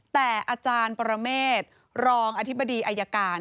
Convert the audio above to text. แต่อาจารย์ปรเมษรองอธิบดีอายการ